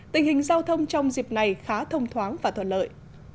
tình hình giao thông trong dịp này khá thông thoáng và thuận lợi